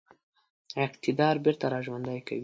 اقتدار بیرته را ژوندی کوي.